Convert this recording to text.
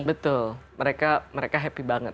betul mereka happy banget